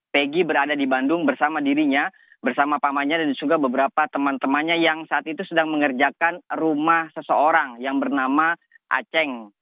pegi berada di bandung bersama dirinya bersama pamannya dan juga beberapa teman temannya yang saat itu sedang mengerjakan rumah seseorang yang bernama aceng